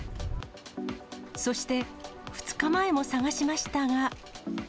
そして２日前も探しましたが。